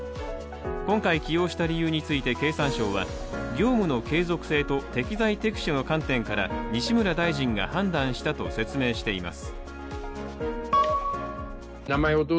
今回、起用した理由について経産省は業務の継続性と適材適所の観点から西村大臣が判断したと説明しています。